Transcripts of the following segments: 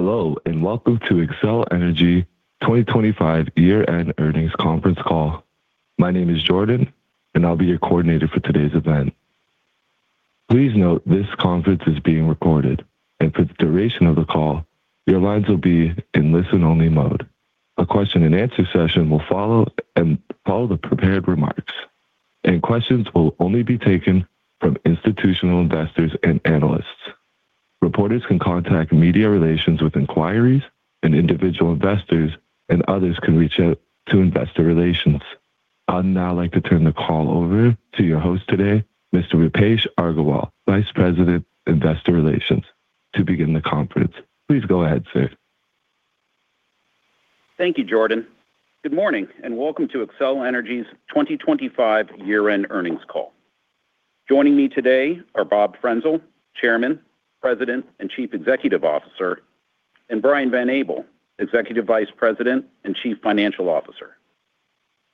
Hello and welcome to Xcel Energy 2025 Year-end Earnings conference call. My name is Jordan, and I'll be your coordinator for today's event. Please note this conference is being recorded, and for the duration of the call, your lines will be in listen-only mode. A question-and-answer session will follow the prepared remarks, and questions will only be taken from institutional investors and analysts. Reporters can contact media relations with inquiries, and individual investors and others can reach out to investor relations. I'd now like to turn the call over to your host today, Mr. Roopesh Aggarwal, Vice President, Investor Relations, to begin the conference. Please go ahead, sir. Thank you, Jordan. Good morning and welcome to Xcel Energy's 2025 year-end earnings call. Joining me today are Bob Frenzel, Chairman, President, and Chief Executive Officer, and Brian Van Abel, Executive Vice President and Chief Financial Officer.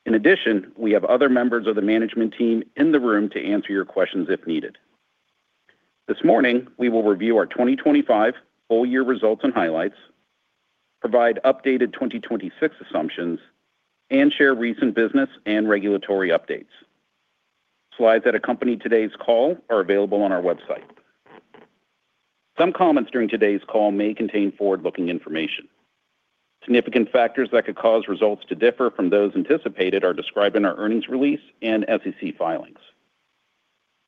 In addition, we have other members of the management team in the room to answer your questions if needed. This morning we will review our 2025 full-year results and highlights, provide updated 2026 assumptions, and share recent business and regulatory updates. Slides that accompany today's call are available on our website. Some comments during today's call may contain forward-looking information. Significant factors that could cause results to differ from those anticipated are described in our earnings release and SEC filings.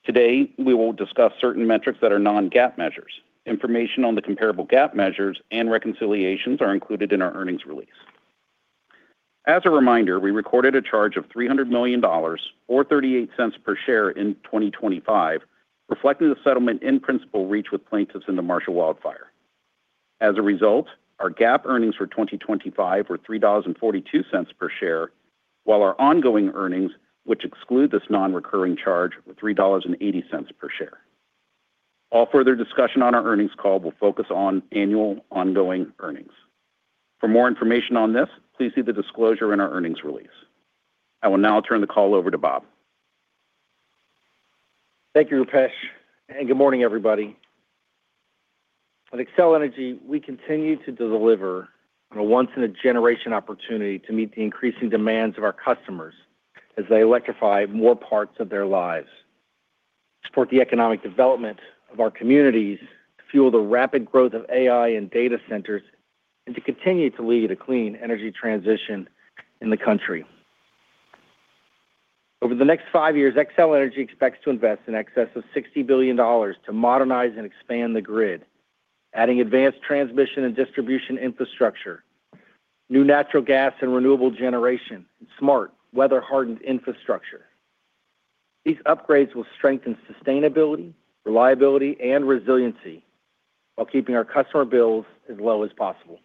Today we will discuss certain metrics that are non-GAAP measures. Information on the comparable GAAP measures and reconciliations are included in our earnings release. As a reminder, we recorded a charge of $300 million or $0.38 per share in 2025, reflecting the settlement in principle reached with plaintiffs in the Marshall Wildfire. As a result, our GAAP earnings for 2025 were $3.42 per share, while our ongoing earnings, which exclude this non-recurring charge, were $3.80 per share. All further discussion on our earnings call will focus on annual ongoing earnings. For more information on this, please see the disclosure in our earnings release. I will now turn the call over to Bob. Thank you, Rupesh, and good morning, everybody. At Xcel Energy, we continue to deliver on a once-in-a-generation opportunity to meet the increasing demands of our customers as they electrify more parts of their lives, support the economic development of our communities, fuel the rapid growth of AI and data centers, and to continue to lead a clean energy transition in the country. Over the next five years, Xcel Energy expects to invest an excess of $60 billion to modernize and expand the grid, adding advanced transmission and distribution infrastructure, new natural gas and renewable generation, and smart, weather-hardened infrastructure. These upgrades will strengthen sustainability, reliability, and resiliency while keeping our customer bills as low as possible.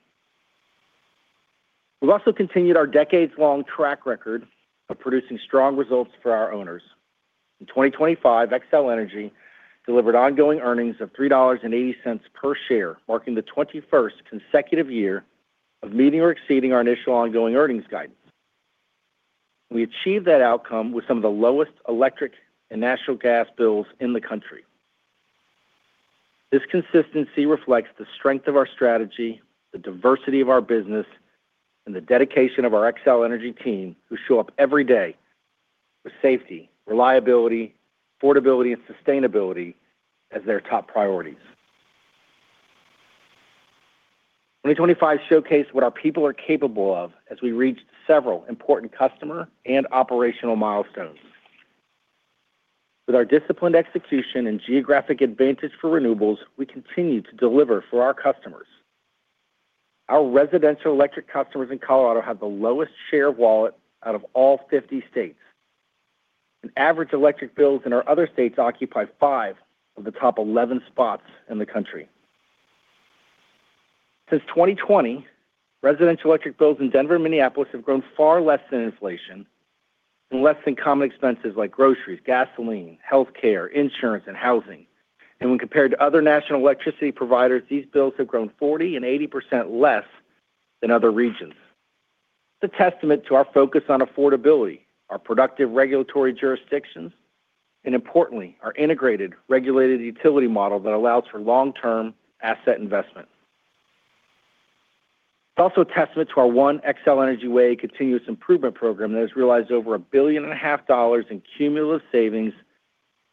We've also continued our decades-long track record of producing strong results for our owners. In 2025, Xcel Energy delivered ongoing earnings of $3.80 per share, marking the 21st consecutive year of meeting or exceeding our initial ongoing earnings guidance. We achieved that outcome with some of the lowest electric and natural gas bills in the country. This consistency reflects the strength of our strategy, the diversity of our business, and the dedication of our Xcel Energy team who show up every day with safety, reliability, affordability, and sustainability as their top priorities. 2025 showcased what our people are capable of as we reached several important customer and operational milestones. With our disciplined execution and geographic advantage for renewables, we continue to deliver for our customers. Our residential electric customers in Colorado have the lowest share wallet out of all 50 states. An average electric bills in our other states occupy five of the top 11 spots in the country. Since 2020, residential electric bills in Denver, Minneapolis, have grown far less than inflation and less than common expenses like groceries, gasoline, healthcare, insurance, and housing. When compared to other national electricity providers, these bills have grown 40% and 80% less than other regions. It's a testament to our focus on affordability, our productive regulatory jurisdictions, and importantly, our integrated regulated utility model that allows for long-term asset investment. It's also a testament to our One Xcel Energy Way continuous improvement program that has realized over $1.5 billion in cumulative savings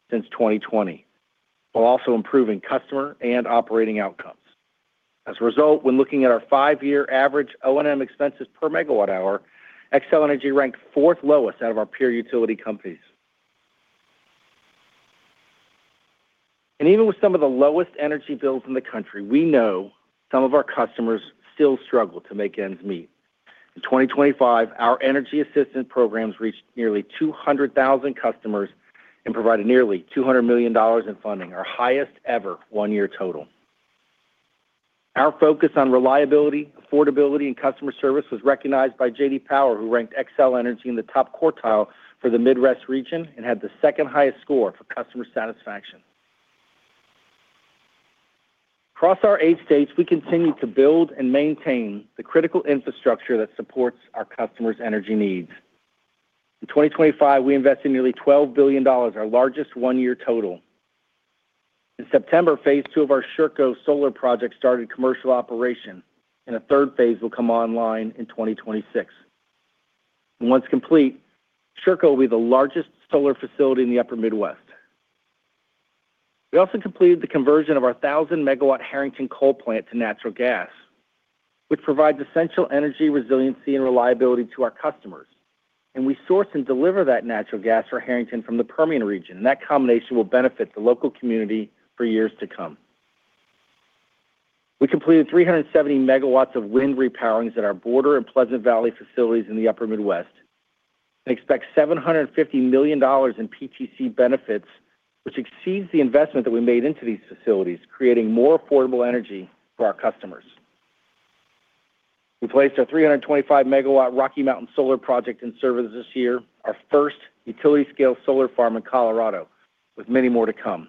since 2020, while also improving customer and operating outcomes. As a result, when looking at our 5-year average O&M expenses per megawatt-hour, Xcel Energy ranked fourth lowest out of our peer utility companies. Even with some of the lowest energy bills in the country, we know some of our customers still struggle to make ends meet. In 2025, our energy assistance programs reached nearly 200,000 customers and provided nearly $200 million in funding, our highest ever one-year total. Our focus on reliability, affordability, and customer service was recognized by J.D. Power, who ranked Xcel Energy in the top quartile for the Midwest region and had the second highest score for customer satisfaction. Across our eight states, we continue to build and maintain the critical infrastructure that supports our customers' energy needs. In 2025, we invested nearly $12 billion, our largest one-year total. In September, phase two of our Sherco Solar project started commercial operation, and a third phase will come online in 2026. Once complete, Sherco Solar will be the largest solar facility in the Upper Midwest. We also completed the conversion of our 1,000-megawatt Harrington coal plant to natural gas, which provides essential energy resiliency and reliability to our customers. And we source and deliver that natural gas for Harrington from the Permian region, and that combination will benefit the local community for years to come. We completed 370 megawatts of wind repowering at our Border and Pleasant Valley facilities in the Upper Midwest and expect $750 million in PTC benefits, which exceeds the investment that we made into these facilities, creating more affordable energy for our customers. We placed our 325-megawatt Rocky Mountain solar project in service this year, our first utility-scale solar farm in Colorado, with many more to come.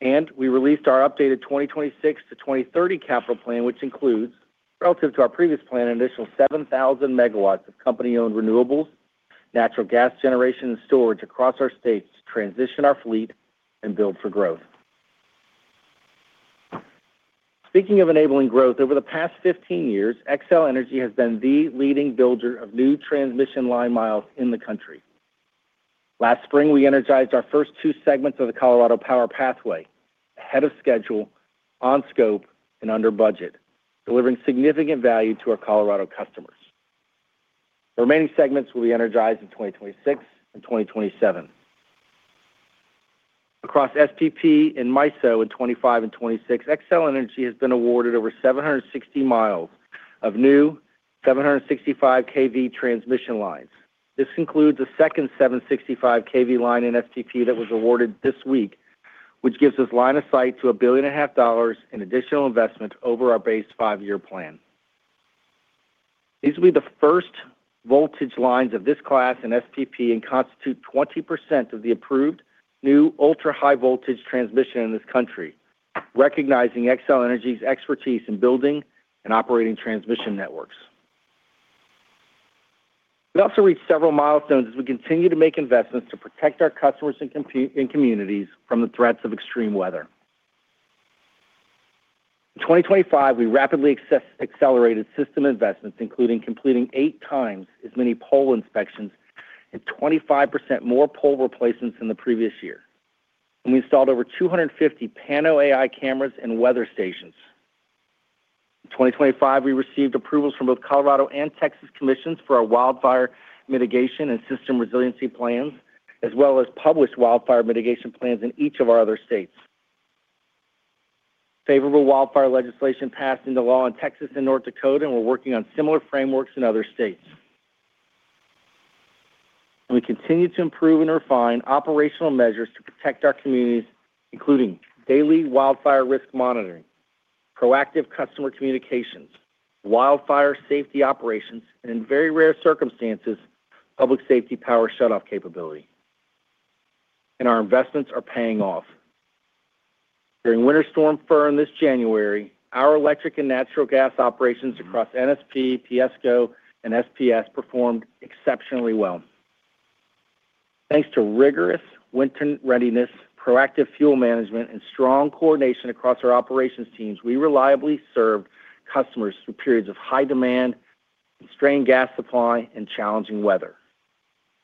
We released our updated 2026 to 2030 capital plan, which includes, relative to our previous plan, an additional 7,000 megawatts of company-owned renewables, natural gas generation, and storage across our states to transition our fleet and build for growth. Speaking of enabling growth, over the past 15 years, Xcel Energy has been the leading builder of new transmission line miles in the country. Last spring, we energized our first two segments of the Colorado Power Pathway ahead of schedule, on scope, and under budget, delivering significant value to our Colorado customers. The remaining segments will be energized in 2026 and 2027. Across SPP and MISO in 2025 and 2026, Xcel Energy has been awarded over 760 miles of new 765 kV transmission lines. This includes a second 765 kV line in SPP that was awarded this week, which gives us line of sight to $1.5 billion in additional investment over our base five-year plan. These will be the first voltage lines of this class in SPP and constitute 20% of the approved new ultra-high voltage transmission in this country, recognizing Xcel Energy's expertise in building and operating transmission networks. We also reached several milestones as we continue to make investments to protect our customers and communities from the threats of extreme weather. In 2025, we rapidly accelerated system investments, including completing eight times as many pole inspections and 25% more pole replacements than the previous year. We installed over 250 Pano AI cameras and weather stations. In 2025, we received approvals from both Colorado and Texas commissions for our wildfire mitigation and system resiliency plans, as well as published wildfire mitigation plans in each of our other states. Favorable wildfire legislation passed into law in Texas and North Dakota, and we're working on similar frameworks in other states. We continue to improve and refine operational measures to protect our communities, including daily wildfire risk monitoring, proactive customer communications, wildfire safety operations, and in very rare circumstances, Public Safety Power Shutoff capability. Our investments are paying off. During Winter Storm Fern this January, our electric and natural gas operations across NSP, PSCo, and SPS performed exceptionally well. Thanks to rigorous winter readiness, proactive fuel management, and strong coordination across our operations teams, we reliably served customers through periods of high demand, strained gas supply, and challenging weather.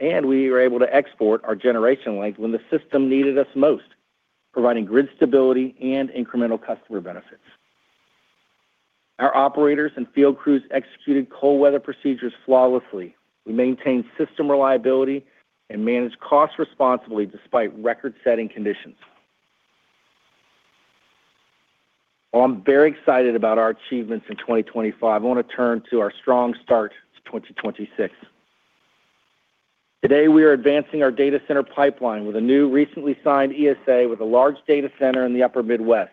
We were able to export our generation length when the system needed us most, providing grid stability and incremental customer benefits. Our operators and field crews executed cold weather procedures flawlessly. We maintained system reliability and managed costs responsibly despite record-setting conditions. While I'm very excited about our achievements in 2025, I want to turn to our strong start to 2026. Today, we are advancing our data center pipeline with a new recently signed ESA with a large data center in the Upper Midwest.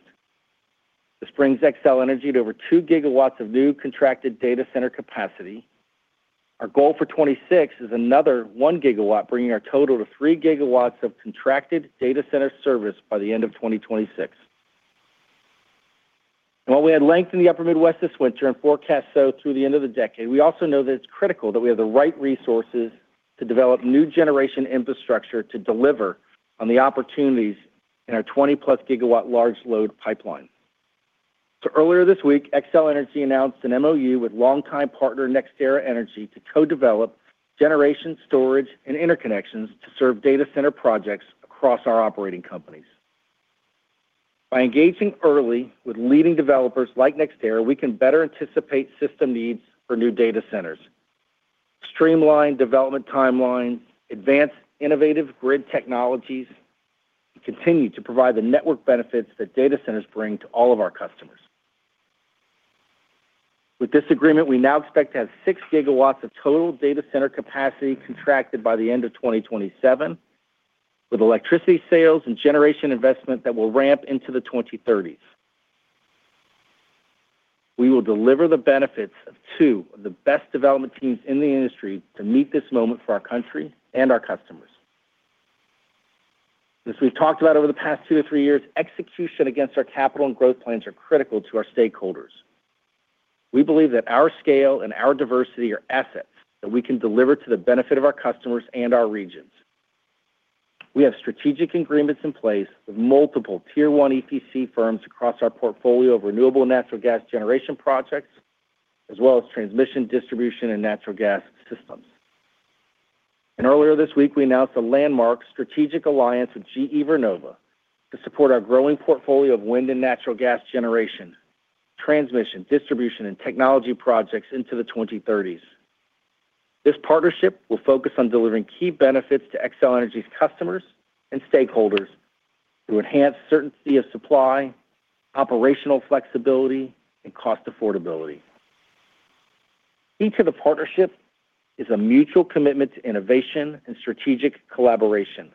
This brings Xcel Energy to over 2 GW of new contracted data center capacity. Our goal for 2026 is another 1 GW, bringing our total to 3 GW of contracted data center service by the end of 2026. While we had growth in the Upper Midwest this winter and forecast so through the end of the decade, we also know that it's critical that we have the right resources to develop new generation infrastructure to deliver on the opportunities in our 20+ GW large load pipeline. Earlier this week, Xcel Energy announced an MOU with longtime partner NextEra Energy to co-develop generation, storage, and interconnections to serve data center projects across our operating companies. By engaging early with leading developers like NextEra, we can better anticipate system needs for new data centers, streamline development timelines, advance innovative grid technologies, and continue to provide the network benefits that data centers bring to all of our customers. With this agreement, we now expect to have 6 GW of total data center capacity contracted by the end of 2027, with electricity sales and generation investment that will ramp into the 2030s. We will deliver the benefits of two of the best development teams in the industry to meet this moment for our country and our customers. As we've talked about over the past two to three years, execution against our capital and growth plans are critical to our stakeholders. We believe that our scale and our diversity are assets that we can deliver to the benefit of our customers and our regions. We have strategic agreements in place with multiple tier-one EPC firms across our portfolio of renewable natural gas generation projects, as well as transmission, distribution, and natural gas systems. Earlier this week, we announced a landmark strategic alliance with GE Vernova to support our growing portfolio of wind and natural gas generation, transmission, distribution, and technology projects into the 2030s. This partnership will focus on delivering key benefits to Xcel Energy's customers and stakeholders to enhance certainty of supply, operational flexibility, and cost affordability. Key to the partnership is a mutual commitment to innovation and strategic collaboration.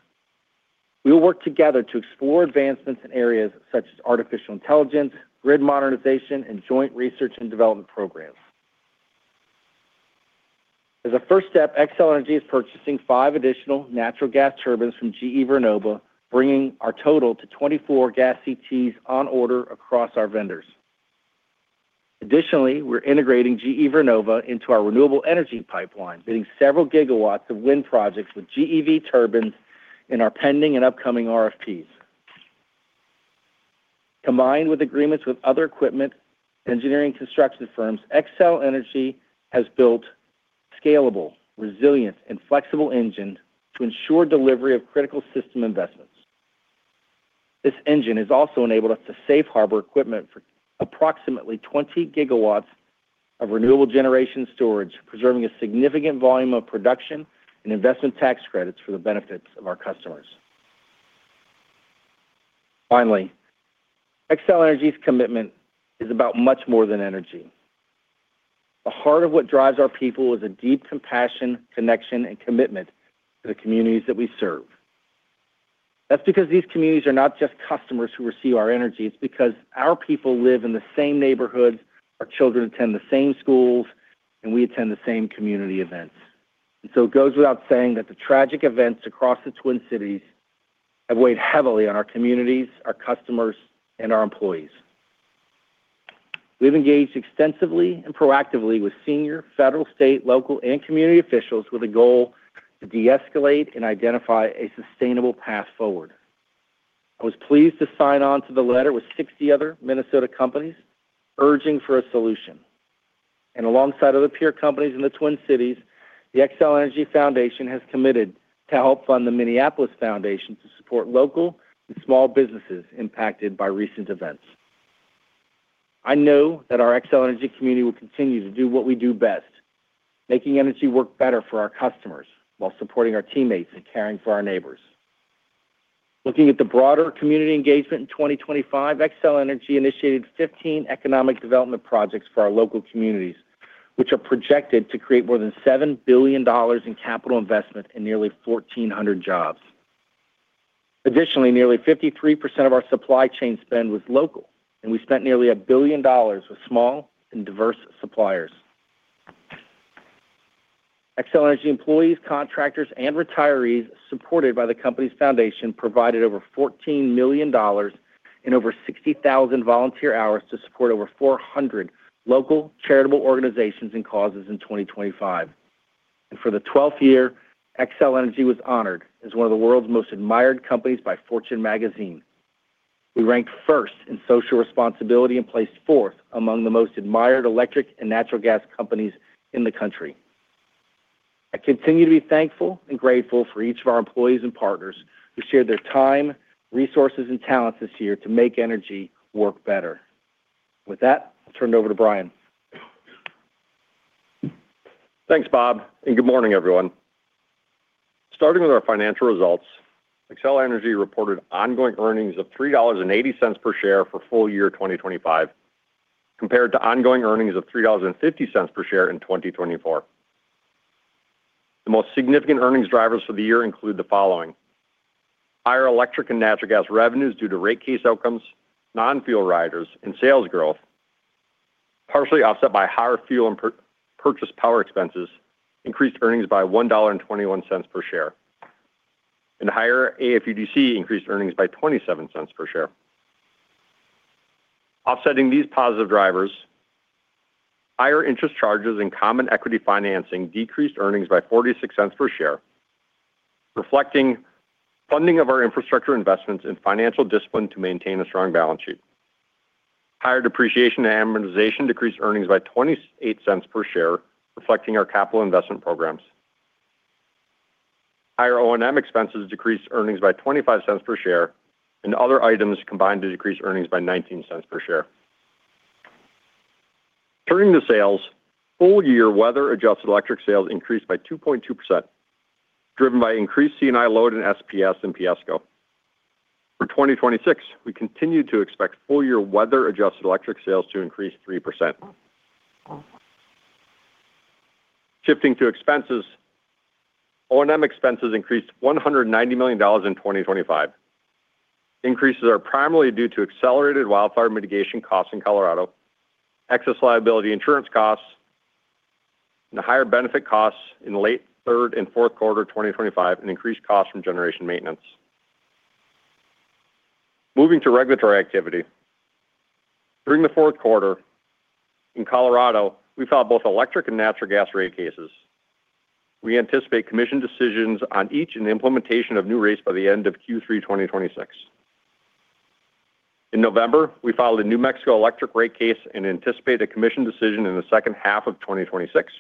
We will work together to explore advancements in areas such as artificial intelligence, grid modernization, and joint research and development programs. As a first step, Xcel Energy is purchasing 5 additional natural gas turbines from GE Vernova, bringing our total to 24 gas CTs on order across our vendors. Additionally, we're integrating GE Vernova into our renewable energy pipeline, bidding several gigawatts of wind projects with GEV turbines in our pending and upcoming RFPs. Combined with agreements with other equipment engineering construction firms, Xcel Energy has built a scalable, resilient, and flexible engine to ensure delivery of critical system investments. This engine is also enabled us to safe harbor equipment for approximately 20 GW of renewable generation storage, preserving a significant volume of production and investment tax credits for the benefits of our customers. Finally, Xcel Energy's commitment is about much more than energy. The heart of what drives our people is a deep compassion, connection, and commitment to the communities that we serve. That's because these communities are not just customers who receive our energy. It's because our people live in the same neighborhoods, our children attend the same schools, and we attend the same community events. And so it goes without saying that the tragic events across the Twin Cities have weighed heavily on our communities, our customers, and our employees. We've engaged extensively and proactively with senior federal, state, local, and community officials with the goal to de-escalate and identify a sustainable path forward. I was pleased to sign on to the letter with 60 other Minnesota companies urging for a solution. Alongside other peer companies in the Twin Cities, the Xcel Energy Foundation has committed to help fund the Minneapolis Foundation to support local and small businesses impacted by recent events. I know that our Xcel Energy community will continue to do what we do best, making energy work better for our customers while supporting our teammates and caring for our neighbors. Looking at the broader community engagement in 2025, Xcel Energy initiated 15 economic development projects for our local communities, which are projected to create more than $7 billion in capital investment and nearly 1,400 jobs. Additionally, nearly 53% of our supply chain spend was local, and we spent nearly $1 billion with small and diverse suppliers. Xcel Energy employees, contractors, and retirees supported by the company's foundation provided over $14 million in over 60,000 volunteer hours to support over 400 local charitable organizations and causes in 2025. And for the 12th year, Xcel Energy was honored as one of the world's most admired companies by Fortune Magazine. We ranked first in social responsibility and placed fourth among the most admired electric and natural gas companies in the country. I continue to be thankful and grateful for each of our employees and partners who shared their time, resources, and talents this year to make energy work better. With that, I'll turn it over to Brian. Thanks, Bob, and good morning, everyone. Starting with our financial results, Xcel Energy reported ongoing earnings of $3.80 per share for full year 2025, compared to ongoing earnings of $3.50 per share in 2024. The most significant earnings drivers for the year include the following: higher electric and natural gas revenues due to rate case outcomes, non-fuel riders, and sales growth, partially offset by higher fuel and purchased power expenses. Increased earnings by $1.21 per share, and higher AFUDC increased earnings by $0.27 per share. Offsetting these positive drivers: higher interest charges and common equity financing decreased earnings by $0.46 per share, reflecting funding of our infrastructure investments and financial discipline to maintain a strong balance sheet. Higher depreciation and amortization decreased earnings by $0.28 per share, reflecting our capital investment programs. Higher O&M expenses decreased earnings by $0.25 per share, and other items combined to decrease earnings by $0.19 per share. Turning to sales, full year weather-adjusted electric sales increased by 2.2%, driven by increased C&I load in SPS and PSCO. For 2026, we continue to expect full year weather-adjusted electric sales to increase 3%. Shifting to expenses, O&M expenses increased $190 million in 2025. Increases are primarily due to accelerated wildfire mitigation costs in Colorado, excess liability insurance costs, and higher benefit costs in late third and fourth quarter 2025, and increased costs from generation maintenance. Moving to regulatory activity. During the fourth quarter in Colorado, we filed both electric and natural gas rate cases. We anticipate commission decisions on each and the implementation of new rates by the end of Q3 2026. In November, we filed a New Mexico electric rate case and anticipate a commission decision in the second half of 2026.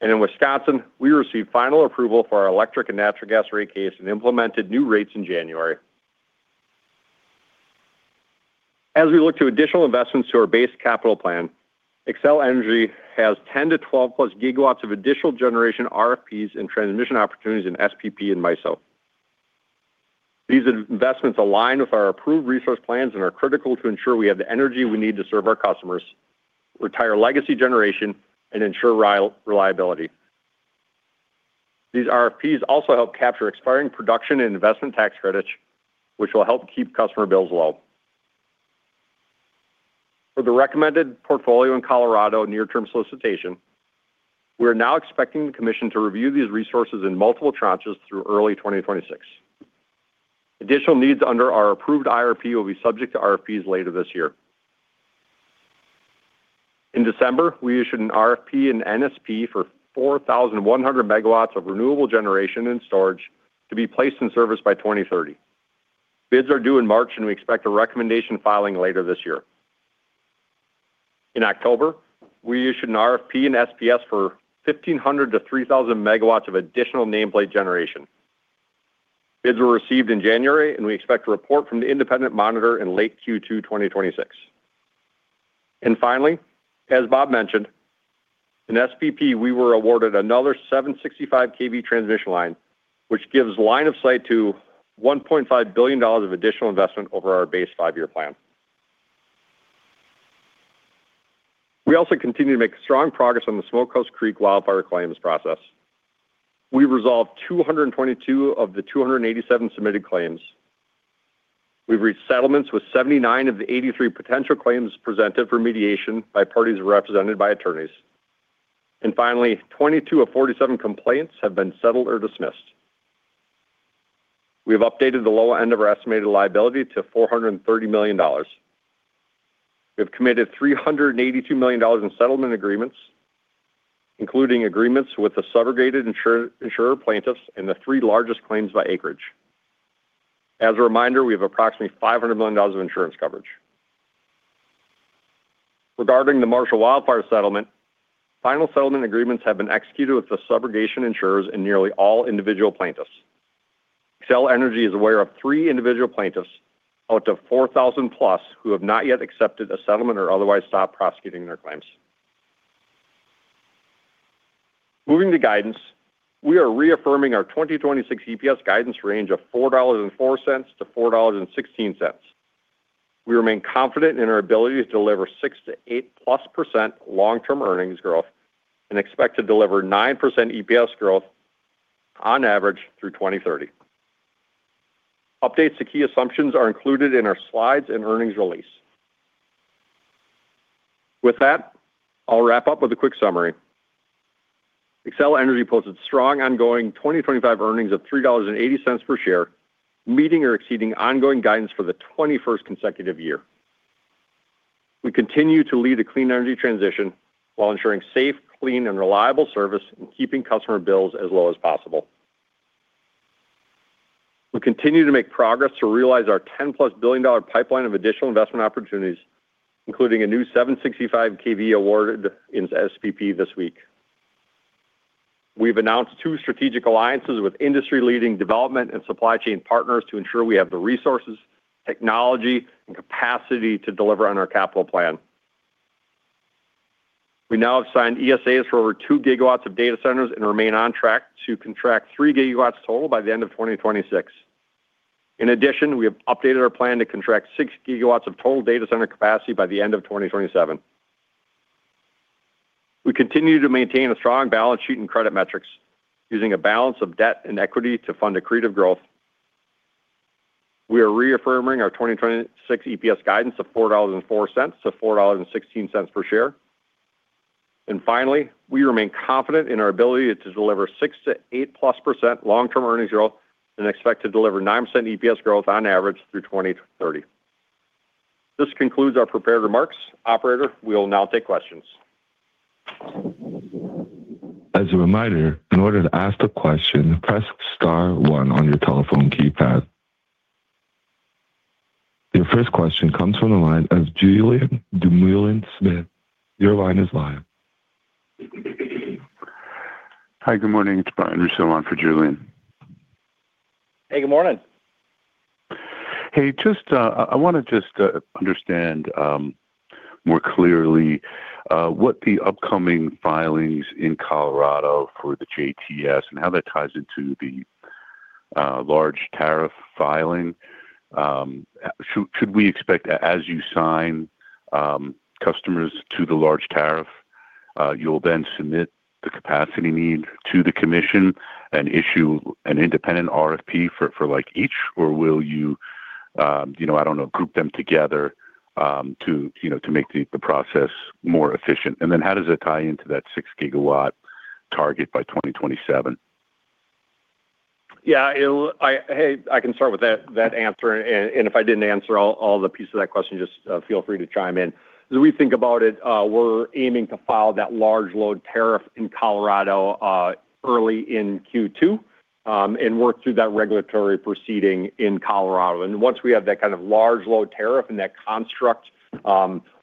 In Wisconsin, we received final approval for our electric and natural gas rate case and implemented new rates in January. As we look to additional investments to our base capital plan, Xcel Energy has 10-12+ GW of additional generation RFPs and transmission opportunities in SPP and MISO. These investments align with our approved resource plans and are critical to ensure we have the energy we need to serve our customers, retire legacy generation, and ensure reliability. These RFPs also help capture expiring production and investment tax credits, which will help keep customer bills low. For the recommended portfolio in Colorado near-term solicitation, we are now expecting the commission to review these resources in multiple tranches through early 2026. Additional needs under our approved IRP will be subject to RFPs later this year. In December, we issued an RFP in NSP for 4,100 megawatts of renewable generation and storage to be placed in service by 2030. Bids are due in March, and we expect a recommendation filing later this year. In October, we issued an RFP in SPS for 1,500-3,000 megawatts of additional nameplate generation. Bids were received in January, and we expect a report from the independent monitor in late Q2 2026. And finally, as Bob mentioned, in SPP, we were awarded another 765 kV transmission line, which gives line of sight to $1.5 billion of additional investment over our base five-year plan. We also continue to make strong progress on the Smokehouse Creek wildfire claims process. We've resolved 222 of the 287 submitted claims. We've reached settlements with 79 of the 83 potential claims presented for mediation by parties represented by attorneys. Finally, 22 of 47 complaints have been settled or dismissed. We have updated the low end of our estimated liability to $430 million. We have committed $382 million in settlement agreements, including agreements with the subrogated insurer plaintiffs and the three largest claims by acreage. As a reminder, we have approximately $500 million of insurance coverage. Regarding the Marshall wildfire settlement, final settlement agreements have been executed with the subrogation insurers and nearly all individual plaintiffs. Xcel Energy is aware of three individual plaintiffs out of 4,000+ who have not yet accepted a settlement or otherwise stopped prosecuting their claims. Moving to guidance, we are reaffirming our 2026 EPS guidance range of $4.04-$4.16. We remain confident in our ability to deliver 6%-8%+ long-term earnings growth and expect to deliver 9% EPS growth on average through 2030. Updates to key assumptions are included in our slides and earnings release. With that, I'll wrap up with a quick summary. Xcel Energy posted strong ongoing 2025 earnings of $3.80 per share, meeting or exceeding ongoing guidance for the 21st consecutive year. We continue to lead a clean energy transition while ensuring safe, clean, and reliable service and keeping customer bills as low as possible. We continue to make progress to realize our $10+ billion pipeline of additional investment opportunities, including a new 765 kV award in SPP this week. We've announced two strategic alliances with industry-leading development and supply chain partners to ensure we have the resources, technology, and capacity to deliver on our capital plan. We now have signed ESAs for over 2 GW of data centers and remain on track to contract 3 GW total by the end of 2026. In addition, we have updated our plan to contract 6 GW of total data center capacity by the end of 2027. We continue to maintain a strong balance sheet and credit metrics, using a balance of debt and equity to fund accretive growth. We are reaffirming our 2026 EPS guidance of $4.04-$4.16 per share. And finally, we remain confident in our ability to deliver 6%-8%+ long-term earnings growth and expect to deliver 9% EPS growth on average through 2030. This concludes our prepared remarks. Operator, we will now take questions. As a reminder, in order to ask a question, press star one on your telephone keypad. Your first question comes from the line of Julien Dumoulin-Smith. Your line is live. Hi, good morning. It's Brian Russell on for Julien. Hey, good morning. Hey, I want to just understand more clearly what the upcoming filings in Colorado for the JTS and how that ties into the large tariff filing. Should we expect, as you sign customers to the large tariff, you'll then submit the capacity need to the commission and issue an independent RFP for each, or will you, I don't know, group them together to make the process more efficient? And then how does it tie into that 6-gigawatt target by 2027? Yeah, hey, I can start with that answer. And if I didn't answer all the pieces of that question, just feel free to chime in. As we think about it, we're aiming to file that large load tariff in Colorado early in Q2 and work through that regulatory proceeding in Colorado. And once we have that kind of large load tariff and that construct,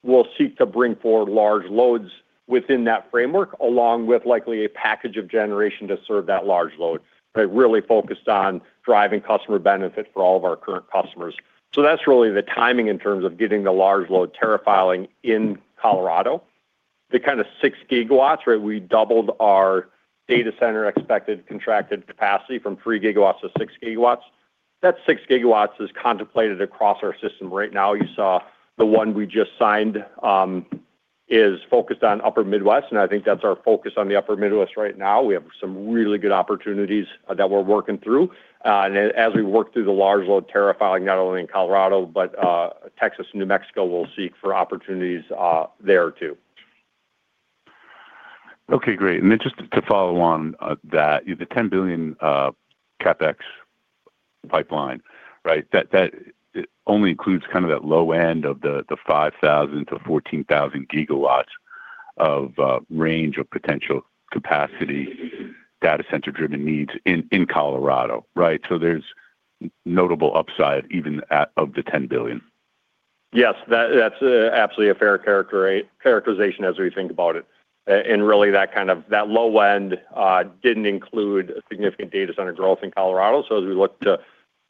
we'll seek to bring forward large loads within that framework, along with likely a package of generation to serve that large load, really focused on driving customer benefit for all of our current customers. So that's really the timing in terms of getting the large load tariff filing in Colorado. The kind of 6 GW, right, we doubled our data center expected contracted capacity from 3 GW to 6 GW. That 6 GW is contemplated across our system right now. You saw the one we just signed is focused on Upper Midwest, and I think that's our focus on the Upper Midwest right now. We have some really good opportunities that we're working through. And as we work through the large load tariff filing, not only in Colorado, but Texas, New Mexico, we'll seek for opportunities there too. Okay, great. Then just to follow on that, the $10 billion CapEx pipeline, right, that only includes kind of that low end of the 5,000-14,000 GW range of potential capacity data center-driven needs in Colorado, right? There's notable upside even of the $10 billion. Yes, that's absolutely a fair characterization as we think about it. And really, that kind of that low end didn't include significant data center growth in Colorado. So as we look to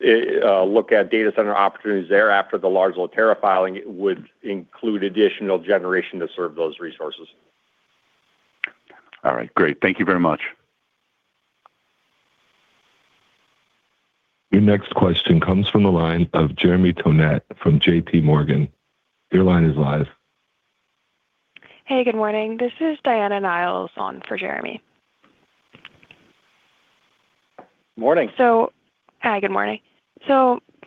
look at data center opportunities there after the large load tariff filing, it would include additional generation to serve those resources. All right, great. Thank you very much. Your next question comes from the line of Jeremy Tonet from JPMorgan. Your line is live. Hey, good morning. This is Diana Niles on for Jeremy. Morning. Hi, good morning.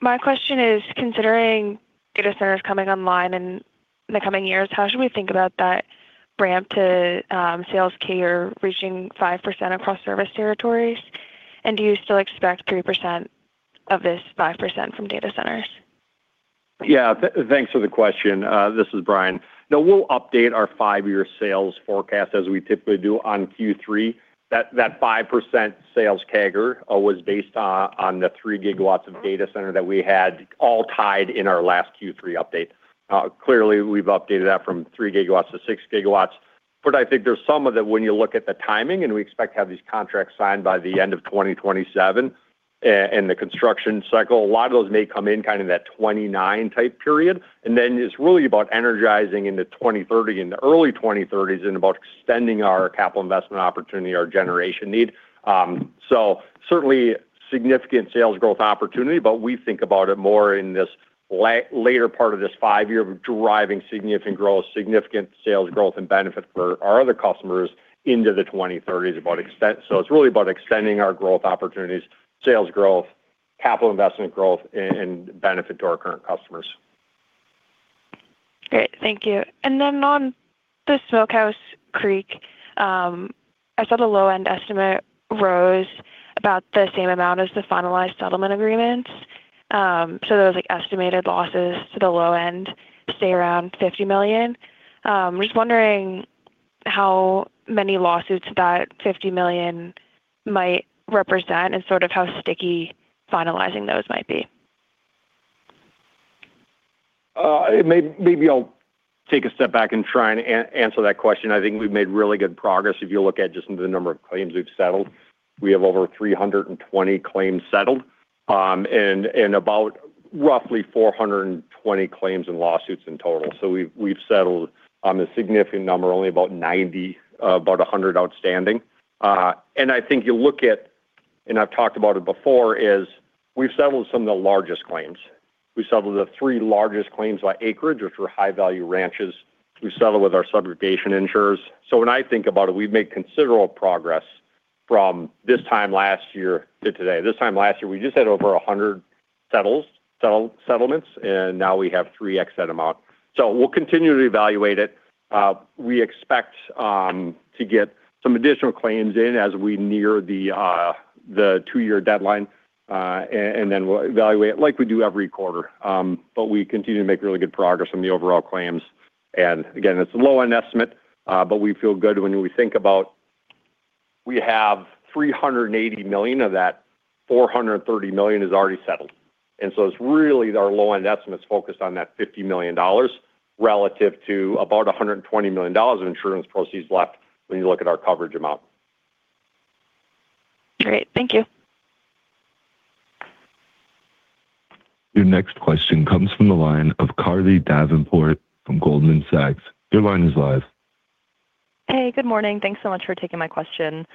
My question is, considering data centers coming online in the coming years, how should we think about that ramp to sales growth reaching 5% across service territories? Do you still expect 3% of this 5% from data centers? Yeah, thanks for the question. This is Brian. No, we'll update our 5-year sales forecast as we typically do on Q3. That 5% sales CAGR was based on the 3 gigawatts of data center that we had all tied in our last Q3 update. Clearly, we've updated that from 3 gigawatts to 6 gigawatts. But I think there's some of it when you look at the timing, and we expect to have these contracts signed by the end of 2027 and the construction cycle, a lot of those may come in kind of in that 2029 type period. And then it's really about energizing into 2030, in the early 2030s, and about extending our capital investment opportunity, our generation need. So certainly significant sales growth opportunity, but we think about it more in this later part of this five-year of driving significant growth, significant sales growth, and benefit for our other customers into the 2030s about extent. So it's really about extending our growth opportunities, sales growth, capital investment growth, and benefit to our current customers. Great. Thank you. And then on the Smokehouse Creek, I saw the low-end estimate rose about the same amount as the finalized settlement agreements. So those estimated losses to the low end stay around $50 million. I'm just wondering how many lawsuits that $50 million might represent and sort of how sticky finalizing those might be. Maybe I'll take a step back and try and answer that question. I think we've made really good progress. If you look at just the number of claims we've settled, we have over 320 claims settled and about roughly 420 claims and lawsuits in total. So we've settled a significant number, only about 90, about 100 outstanding. And I think you look at, and I've talked about it before, is we've settled some of the largest claims. We settled the three largest claims by acreage, which were high-value ranches. We settled with our subrogation insurers. So when I think about it, we've made considerable progress from this time last year to today. This time last year, we just had over 100 settlements, and now we have three times the amount. So we'll continue to evaluate it. We expect to get some additional claims in as we near the two-year deadline, and then we'll evaluate it like we do every quarter. We continue to make really good progress on the overall claims. Again, it's a low-end estimate, but we feel good when we think about we have $380 million of that. $430 million is already settled. So it's really our low-end estimates focused on that $50 million relative to about $120 million of insurance proceeds left when you look at our coverage amount. Great. Thank you. Your next question comes from the line of Carly Davenport from Goldman Sachs. Your line is live. Hey, good morning. Thanks so much for taking my question.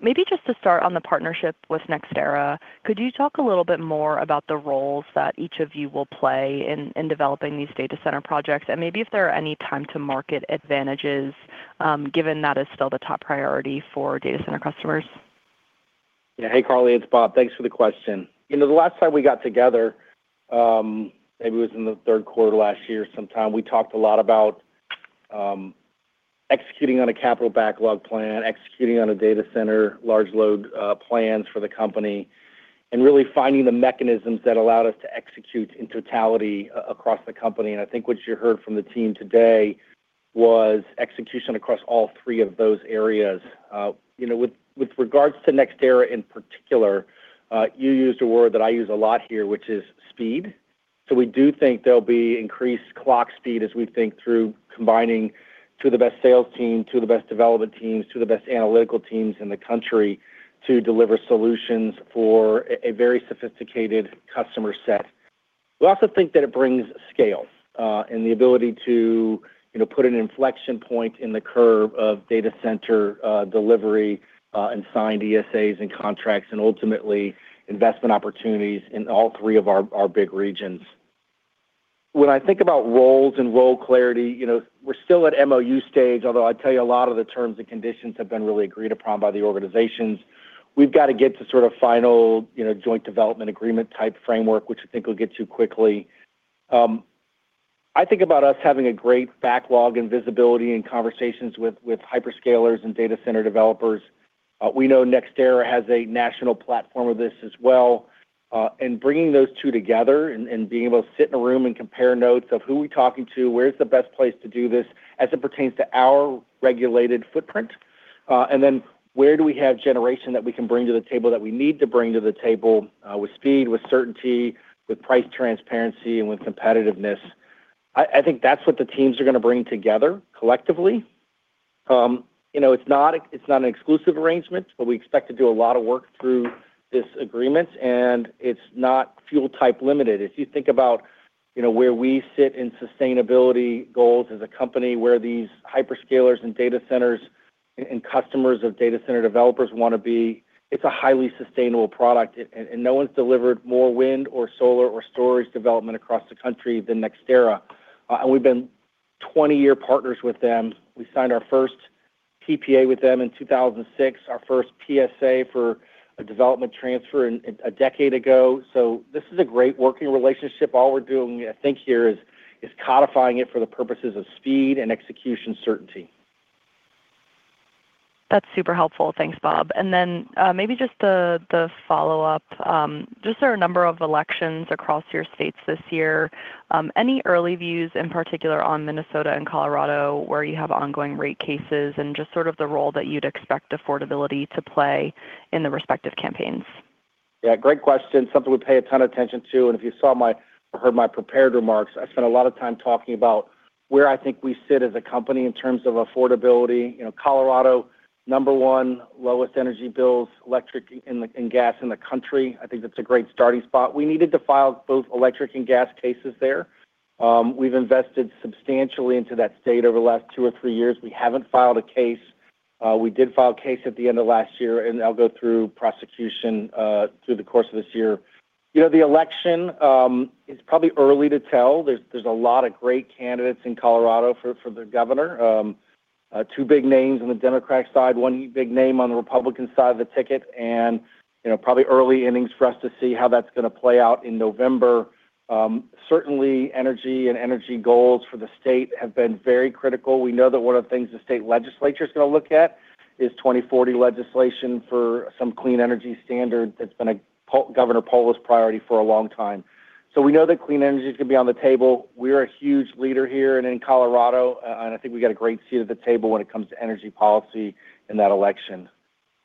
Maybe just to start on the partnership with NextEra, could you talk a little bit more about the roles that each of you will play in developing these data center projects? And maybe if there are any time-to-market advantages, given that is still the top priority for data center customers. Yeah, hey, Carly. It's Bob. Thanks for the question. The last time we got together, maybe it was in the third quarter last year sometime, we talked a lot about executing on a capital backlog plan, executing on a data center large load plans for the company, and really finding the mechanisms that allowed us to execute in totality across the company. I think what you heard from the team today was execution across all three of those areas. With regards to NextEra in particular, you used a word that I use a lot here, which is speed. We do think there'll be increased clock speed as we think through combining to the best sales team, to the best development teams, to the best analytical teams in the country to deliver solutions for a very sophisticated customer set. We also think that it brings scale and the ability to put an inflection point in the curve of data center delivery and signed ESAs and contracts and ultimately investment opportunities in all three of our big regions. When I think about roles and role clarity, we're still at MOU stage, although I tell you a lot of the terms and conditions have been really agreed upon by the organizations. We've got to get to sort of final joint development agreement type framework, which I think will get to quickly. I think about us having a great backlog and visibility in conversations with hyperscalers and data center developers. We know NextEra has a national platform of this as well. Bringing those two together and being able to sit in a room and compare notes of who we're talking to, where's the best place to do this as it pertains to our regulated footprint? Then where do we have generation that we can bring to the table that we need to bring to the table with speed, with certainty, with price transparency, and with competitiveness? I think that's what the teams are going to bring together collectively. It's not an exclusive arrangement, but we expect to do a lot of work through this agreement, and it's not fuel-type limited. If you think about where we sit in sustainability goals as a company, where these hyperscalers and data centers and customers of data center developers want to be, it's a highly sustainable product. No one's delivered more wind or solar or storage development across the country than NextEra. We've been 20-year partners with them. We signed our first PPA with them in 2006, our first PSA for a development transfer a decade ago. This is a great working relationship. All we're doing, I think, here is codifying it for the purposes of speed and execution certainty. That's super helpful. Thanks, Bob. And then maybe just the follow-up. Just, there are a number of elections across your states this year. Any early views in particular on Minnesota and Colorado where you have ongoing rate cases and just sort of the role that you'd expect affordability to play in the respective campaigns? Yeah, great question. Something we pay a ton of attention to. And if you saw or heard my prepared remarks, I spent a lot of time talking about where I think we sit as a company in terms of affordability. Colorado, number one, lowest energy bills, electric and gas in the country. I think that's a great starting spot. We needed to file both electric and gas cases there. We've invested substantially into that state over the last 2 or 3 years. We haven't filed a case. We did file a case at the end of last year, and I'll go through prosecution through the course of this year. The election, it's probably early to tell. There's a lot of great candidates in Colorado for the governor. Two big names on the Democratic side, one big name on the Republican side of the ticket, and probably early innings for us to see how that's going to play out in November. Certainly, energy and energy goals for the state have been very critical. We know that one of the things the state legislature is going to look at is 2040 legislation for some clean energy standard that's been a Governor Polis's priority for a long time. So we know that clean energy is going to be on the table. We're a huge leader here and in Colorado, and I think we got a great seat at the table when it comes to energy policy in that election.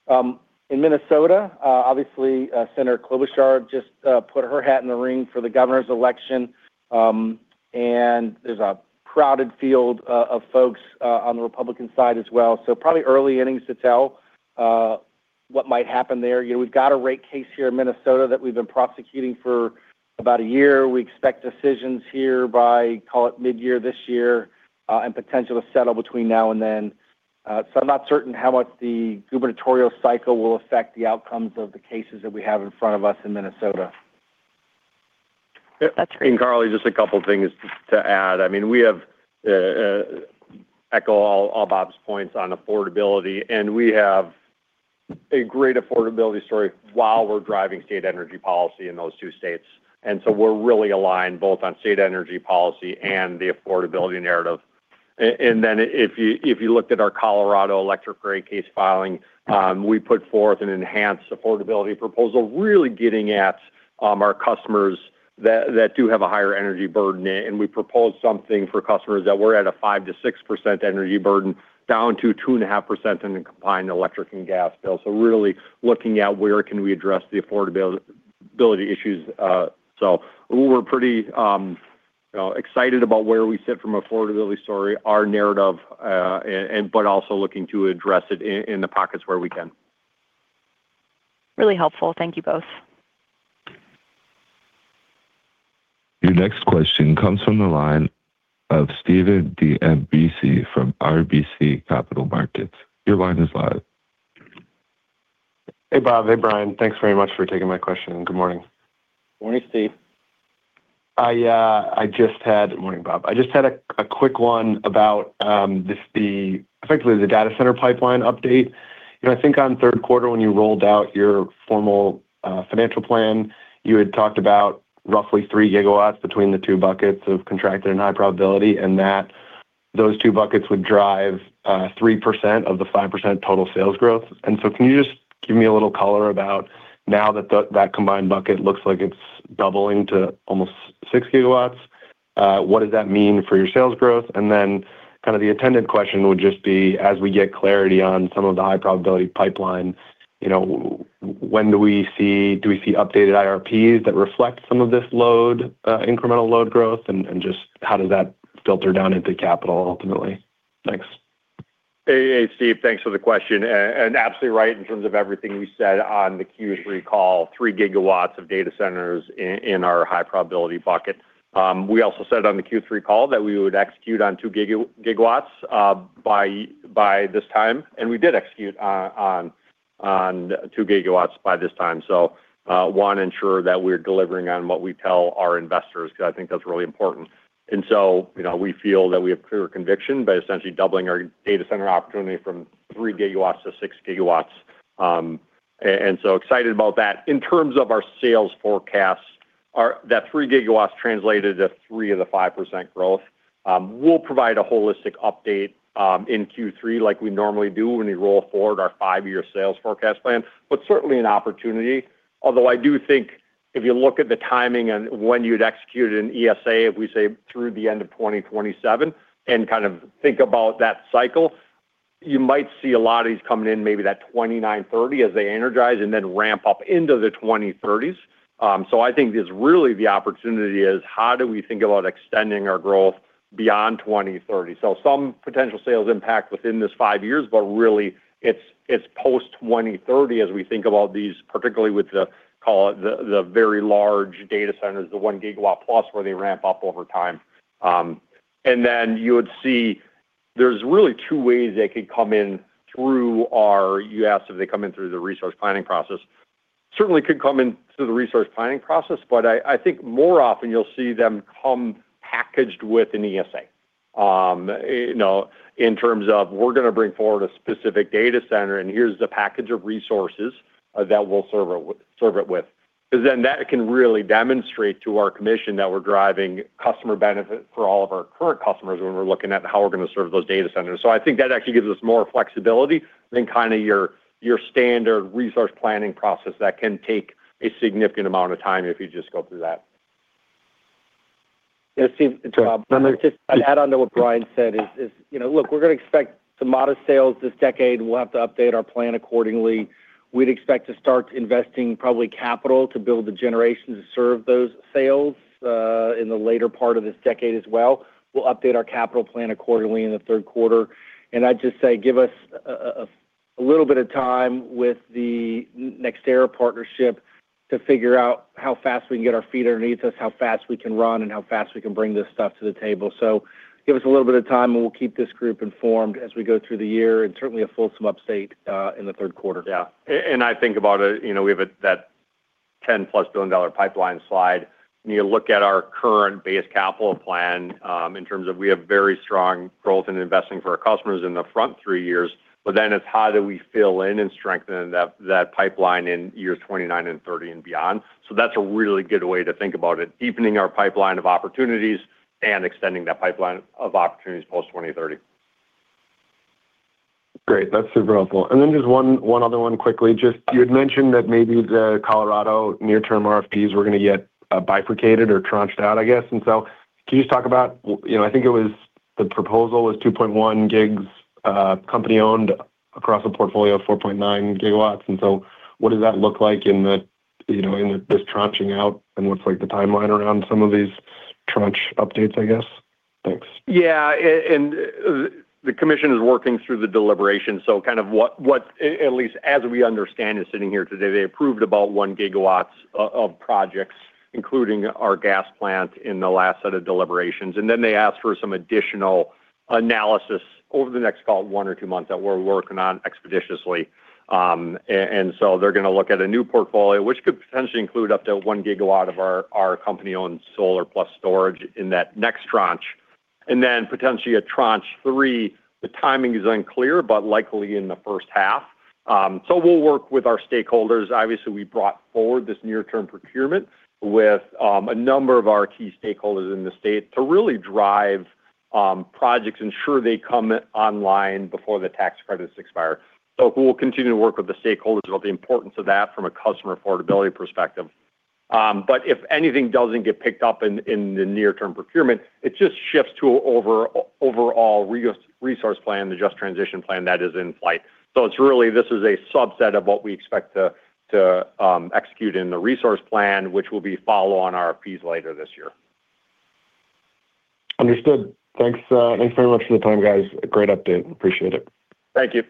In Minnesota, obviously, Senator Klobuchar just put her hat in the ring for the governor's election. There's a crowded field of folks on the Republican side as well. So probably early innings to tell what might happen there. We've got a rate case here in Minnesota that we've been prosecuting for about a year. We expect decisions here by, call it, mid-year this year and potential to settle between now and then. So I'm not certain how much the gubernatorial cycle will affect the outcomes of the cases that we have in front of us in Minnesota. That's great. And Carly, just a couple of things to add. I mean, we echo all Bob's points on affordability, and we have a great affordability story while we're driving state energy policy in those two states. And so we're really aligned both on state energy policy and the affordability narrative. And then if you looked at our Colorado electric rate case filing, we put forth an enhanced affordability proposal, really getting at our customers that do have a higher energy burden in it. And we proposed something for customers that were at a 5%-6% energy burden down to 2.5% in a combined electric and gas bill. So really looking at where can we address the affordability issues. So we're pretty excited about where we sit from an affordability story, our narrative, but also looking to address it in the pockets where we can. Really helpful. Thank you both. Your next question comes from the line of Steven from RBC Capital Markets. Your line is live. Hey, Bob. Hey, Brian. Thanks very much for taking my question. Good morning. Morning, Steve. Good morning, Bob. I just had a quick one about effectively the data center pipeline update. I think on third quarter, when you rolled out your formal financial plan, you had talked about roughly 3 gigawatts between the two buckets of contracted and high probability and that those two buckets would drive 3% of the 5% total sales growth. And so can you just give me a little color about now that that combined bucket looks like it's doubling to almost 6 gigawatts? What does that mean for your sales growth? And then kind of the intended question would just be, as we get clarity on some of the high probability pipeline, when do we see updated IRPs that reflect some of this load, incremental load growth, and just how does that filter down into capital ultimately? Thanks. Hey, Steve. Thanks for the question. Absolutely right in terms of everything we said on the Q3 call, 3 gigawatts of data centers in our high probability bucket. We also said on the Q3 call that we would execute on 2 gigawatts by this time. And we did execute on 2 gigawatts by this time. Want to ensure that we're delivering on what we tell our investors because I think that's really important. We feel that we have clear conviction by essentially doubling our data center opportunity from 3 gigawatts to 6 gigawatts. Excited about that. In terms of our sales forecasts, that 3 gigawatts translated to 3% of the 5% growth. We'll provide a holistic update in Q3 like we normally do when we roll forward our 5-year sales forecast plan, but certainly an opportunity. Although I do think if you look at the timing and when you'd execute an ESA, if we say through the end of 2027 and kind of think about that cycle, you might see a lot of these coming in maybe that 2029-2030 as they energize and then ramp up into the 2030s. So I think really the opportunity is how do we think about extending our growth beyond 2030? So some potential sales impact within this five years, but really it's post-2030 as we think about these, particularly with the call it the very large data centers, the 1 GW+ where they ramp up over time. And then you would see there's really two ways they could come in through our you asked if they come in through the resource planning process. Certainly could come in through the resource planning process, but I think more often you'll see them come packaged with an ESA in terms of we're going to bring forward a specific data center, and here's the package of resources that we'll serve it with. Because then that can really demonstrate to our commission that we're driving customer benefit for all of our current customers when we're looking at how we're going to serve those data centers. So I think that actually gives us more flexibility than kind of your standard resource planning process that can take a significant amount of time if you just go through that. Yeah, Steve, to add on to what Brian said is, look, we're going to expect some modest sales this decade. We'll have to update our plan accordingly. We'd expect to start investing probably capital to build the generations to serve those sales in the later part of this decade as well. We'll update our capital plan accordingly in the third quarter. And I'd just say give us a little bit of time with the NextEra partnership to figure out how fast we can get our feet underneath us, how fast we can run, and how fast we can bring this stuff to the table. So give us a little bit of time, and we'll keep this group informed as we go through the year and certainly a full-on update in the third quarter. Yeah. And I think about it, we have that $10+ billion pipeline slide. When you look at our current base capital plan in terms of we have very strong growth and investing for our customers in the front three years, but then it's how do we fill in and strengthen that pipeline in years 2029 and 2030 and beyond? So that's a really good way to think about it, deepening our pipeline of opportunities and extending that pipeline of opportunities post-2030. Great. That's super helpful. And then just one other one quickly. You had mentioned that maybe the Colorado near-term RFPs were going to get bifurcated or tranched out, I guess. And so can you just talk about, I think it was the proposal was 2.1 GW company-owned across a portfolio of 4.9 GW. And so what does that look like in this tranching out and what's the timeline around some of these tranche updates, I guess? Thanks. Yeah. And the commission is working through the deliberation. So kind of what at least as we understand it sitting here today, they approved about one gigawatt of projects, including our gas plant in the last set of deliberations. And then they asked for some additional analysis over the next call of one or two months that we're working on expeditiously. And so they're going to look at a new portfolio, which could potentially include up to one gigawatt of our company-owned solar plus storage in that next tranche. And then potentially at tranche three, the timing is unclear, but likely in the first half. So we'll work with our stakeholders. Obviously, we brought forward this near-term procurement with a number of our key stakeholders in the state to really drive projects, ensure they come online before the tax credits expire. So we'll continue to work with the stakeholders about the importance of that from a customer affordability perspective. But if anything doesn't get picked up in the near-term procurement, it just shifts to an overall resource plan, the Just Transition Plan that is in flight. So this is a subset of what we expect to execute in the resource plan, which will be followed on RFPs later this year. Understood. Thanks very much for the time, guys. Great update. Appreciate it. Thank you.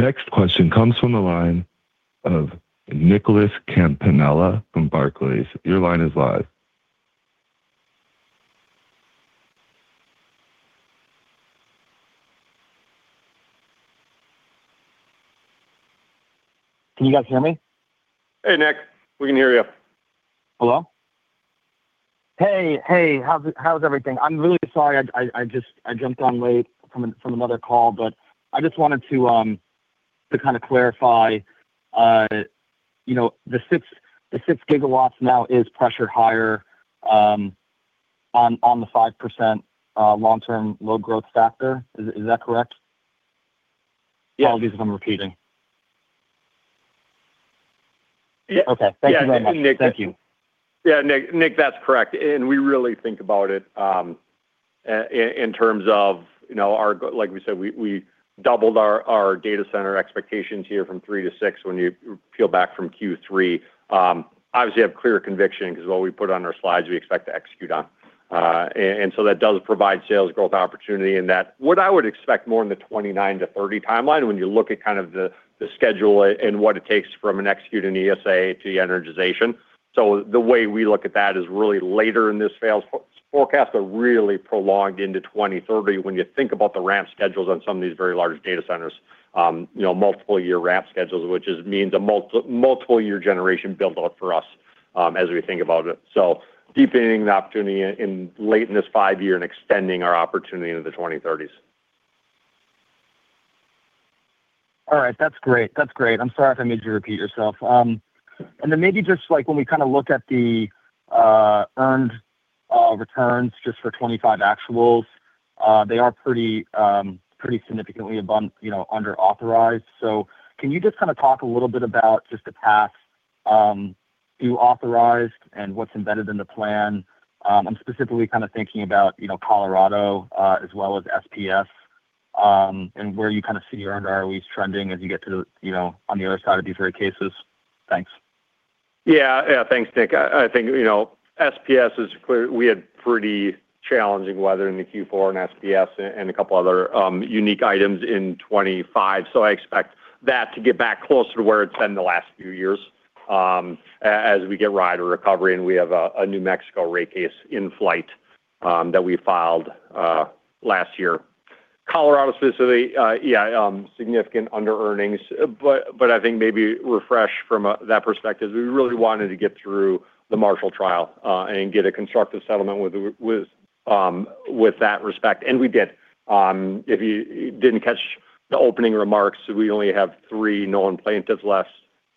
Your next question comes from the line of Nicholas Campanella from Barclays. Your line is live. Can you guys hear me? Hey, Nick. We can hear you. Hello? Hey, hey. How's everything? I'm really sorry I jumped on late from another call, but I just wanted to kind of clarify. The 6 GW now is pressure higher on the 5% long-term low growth factor. Is that correct? Apologies if I'm repeating. Yeah. Okay. Thank you very much. Yeah, I think, Nick. Thank you. Yeah, Nick, that's correct. And we really think about it in terms of like we said, we doubled our data center expectations here from 3 to 6 when you peel back from Q3. Obviously, I have clear conviction because what we put on our slides, we expect to execute on. And so that does provide sales growth opportunity in that what I would expect more in the 2029-2030 timeline when you look at kind of the schedule and what it takes from an execute an ESA to the energization. So the way we look at that is really later in this sales forecast, but really prolonged into 2030 when you think about the ramp schedules on some of these very large data centers, multiple-year ramp schedules, which means a multiple-year generation buildup for us as we think about it. So deepening the opportunity late in this five-year and extending our opportunity into the 2030s. All right. That's great. That's great. I'm sorry if I made you repeat yourself. And then maybe just when we kind of look at the earned returns just for 2025 actuals, they are pretty significantly under-authorized. So can you just kind of talk a little bit about just the past due authorized and what's embedded in the plan? I'm specifically kind of thinking about Colorado as well as SPS and where you kind of see your earned ROEs trending as you get to the on the other side of these rate cases. Thanks. Yeah. Yeah. Thanks, Nick. I think SPS is clear. We had pretty challenging weather in the Q4 and SPS and a couple other unique items in 2025. So I expect that to get back closer to where it's been the last few years as we get right or recovery. And we have a New Mexico rate case in flight that we filed last year. Colorado specifically, yeah, significant under-earnings. But I think maybe refresh from that perspective, we really wanted to get through the Marshall trial and get a constructive settlement with that respect. And we did. If you didn't catch the opening remarks, we only have three known plaintiffs left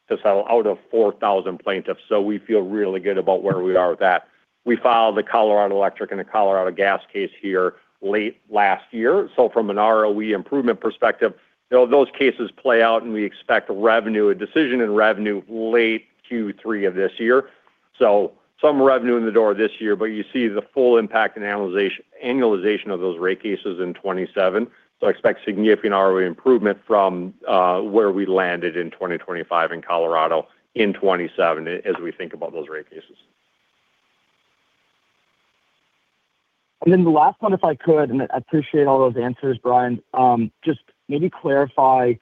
to settle out of 4,000 plaintiffs. So we feel really good about where we are with that. We filed the Colorado Electric and the Colorado Gas case here late last year. From an ROE improvement perspective, those cases play out and we expect a decision in revenue late Q3 of this year. Some revenue in the door this year, but you see the full impact and annualization of those rate cases in 2027. I expect significant ROE improvement from where we landed in 2025 in Colorado in 2027 as we think about those rate cases. And then the last one, if I could, and I appreciate all those answers, Brian, just maybe clarify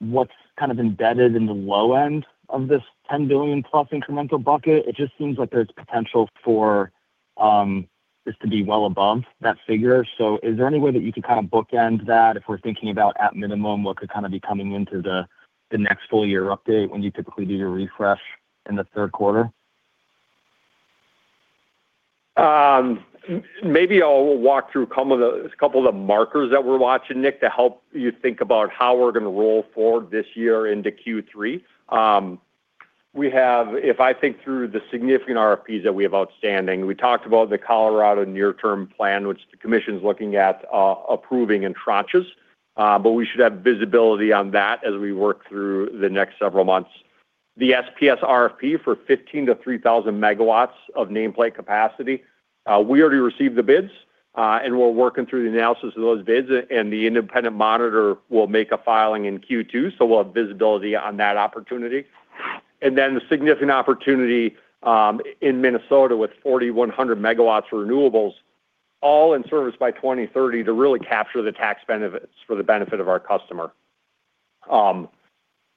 what's kind of embedded in the low end of this $10 billion+ incremental bucket. It just seems like there's potential for this to be well above that figure. So is there any way that you could kind of bookend that if we're thinking about at minimum what could kind of be coming into the next full-year update when you typically do your refresh in the third quarter? Maybe I'll walk through a couple of the markers that we're watching, Nick, to help you think about how we're going to roll forward this year into Q3. If I think through the significant RFPs that we have outstanding, we talked about the Colorado near-term plan, which the commission's looking at approving in tranches. But we should have visibility on that as we work through the next several months. The SPS RFP for 1,500-3,000 megawatts of nameplate capacity, we already received the bids, and we're working through the analysis of those bids. And the independent monitor will make a filing in Q2, so we'll have visibility on that opportunity. And then the significant opportunity in Minnesota with 4,100 megawatts of renewables, all in service by 2030 to really capture the tax benefits for the benefit of our customer.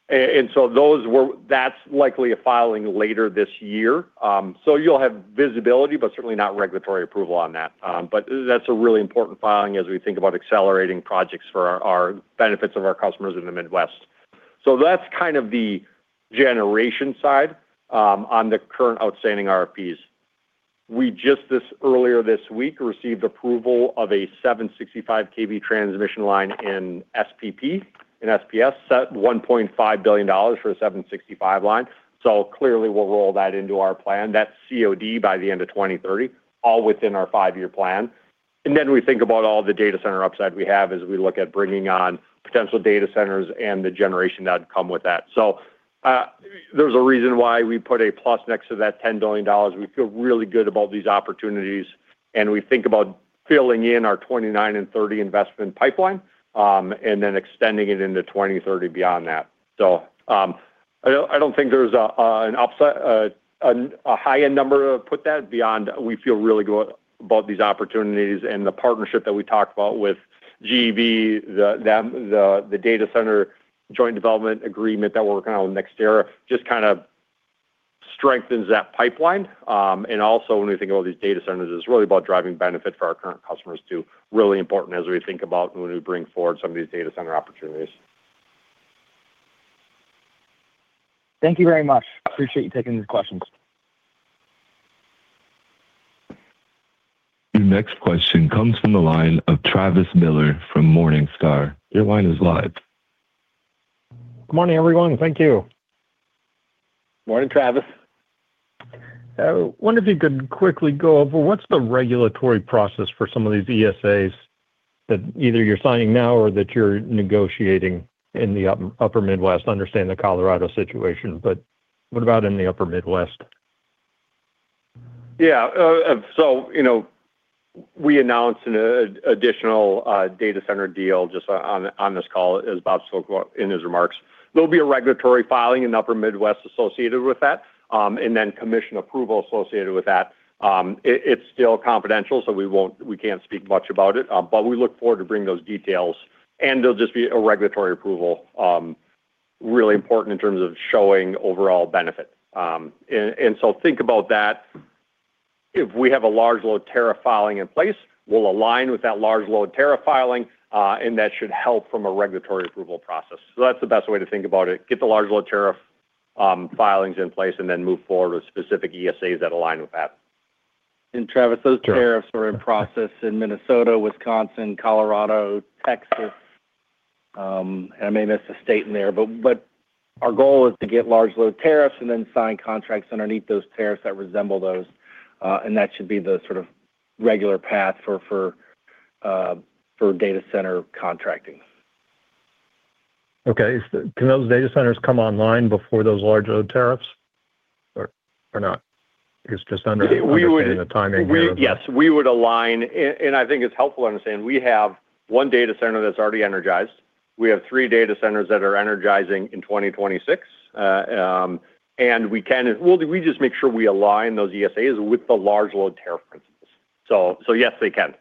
And so that's likely a filing later this year. So you'll have visibility, but certainly not regulatory approval on that. But that's a really important filing as we think about accelerating projects for our benefits of our customers in the Midwest. So that's kind of the generation side on the current outstanding RFPs. We just earlier this week received approval of a 765 kV transmission line in SPS, set $1.5 billion for a 765 line. So clearly, we'll roll that into our plan. That's COD by the end of 2030, all within our five-year plan. And then we think about all the data center upside we have as we look at bringing on potential data centers and the generation that would come with that. So there's a reason why we put a plus next to that $10 billion. We feel really good about these opportunities, and we think about filling in our 2029 and 2030 investment pipeline and then extending it into 2030 beyond that. So I don't think there's a high-end number to put that beyond. We feel really good about these opportunities and the partnership that we talked about with GE Vernova, the data center joint development agreement that we're working on with NextEra, just kind of strengthens that pipeline. And also when we think about these data centers, it's really about driving benefit for our current customers too, really important as we think about when we bring forward some of these data center opportunities. Thank you very much. Appreciate you taking these questions. Your next question comes from the line of Travis Miller from Morningstar. Your line is live. Good morning, everyone. Thank you. Morning, Travis. I wonder if you could quickly go over what's the regulatory process for some of these ESAs that either you're signing now or that you're negotiating in the Upper Midwest? I understand the Colorado situation, but what about in the Upper Midwest? Yeah. So we announced an additional data center deal just on this call as Bob spoke about in his remarks. There'll be a regulatory filing in Upper Midwest associated with that and then commission approval associated with that. It's still confidential, so we can't speak much about it. But we look forward to bringing those details, and there'll just be a regulatory approval really important in terms of showing overall benefit. And so think about that. If we have a large load tariff filing in place, we'll align with that large load tariff filing, and that should help from a regulatory approval process. So that's the best way to think about it. Get the large load tariff filings in place and then move forward with specific ESAs that align with that. And Travis, those tariffs are in process in Minnesota, Wisconsin, Colorado, Texas. And I may miss a state in there, but our goal is to get large load tariffs and then sign contracts underneath those tariffs that resemble those. And that should be the sort of regular path for data center contracting. Okay. Can those data centers come online before those large load tariffs or not? It's just underestimated in the timing here. Yes. We would align. And I think it's helpful to understand. We have one data center that's already energized. We have three data centers that are energizing in 2026. And we just make sure we align those ESAs with the large load tariff principles. So yes, they can.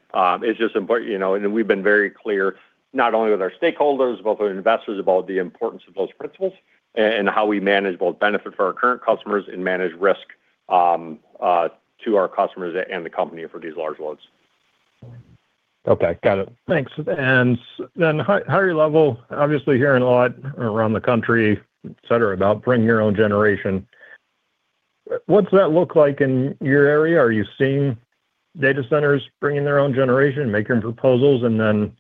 It's just important. And we've been very clear not only with our stakeholders, but with investors about the importance of those principles and how we manage both benefit for our current customers and manage risk to our customers and the company for these large loads. Okay. Got it. Thanks. And then higher level, obviously hearing a lot around the country, etc., about bringing your own generation. What does that look like in your area? Are you seeing data centers bringing their own generation, making proposals? And then